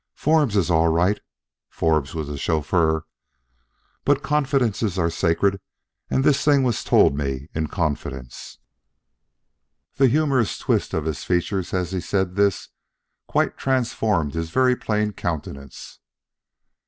Forbes is all right" (Forbes was the chauffeur), "but confidences are sacred and this thing was told me in confidence." The humorous twist of his features as he said this quite transformed his very plain countenance.